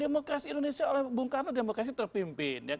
demokrasi indonesia oleh bung karno demokrasi terpimpin